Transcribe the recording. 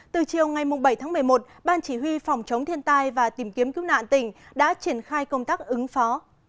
từ chiều ngày bảy tháng một mươi một ban chỉ huy phòng chống thiên tai và tìm kiếm cứu nạn tỉnh đã triển khai công tác ứng phó